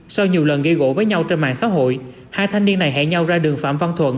sau nhiều lần ghi gỗ với nhau trên mạng xã hội hai thanh niên này hẹn nhau ra đường phạm văn thuận